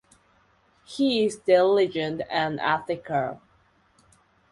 He is diligent and ethical.